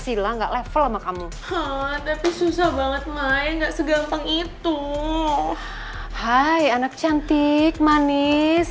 sila enggak level sama kamu tapi susah banget main enggak segampang itu hai anak cantik manis